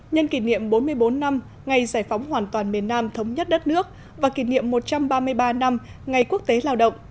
nhân kỷ niệm bốn mươi bốn năm ngày giải phóng hoàn toàn miền nam thống nhất đất nước và kỷ niệm một trăm ba mươi ba năm ngày quốc tế lao động